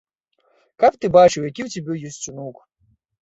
Каб ты бачыў, які ў цябе ёсць унук!